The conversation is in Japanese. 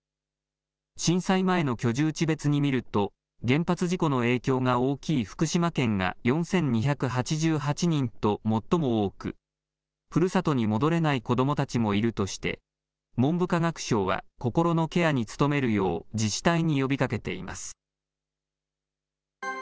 震災前の居住地別に見ると、原発事故の影響が大きい福島県が４２８８人と最も多く、ふるさとに戻れない子どもたちもいるとして、文部科学省は心のケアに努めるよう自治体に呼びかけています。